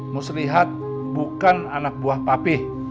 mus lihat bukan anak buah papi